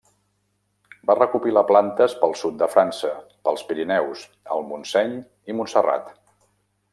Va recopilar plantes pel sud de França, pels Pirineus, el Montseny i Montserrat.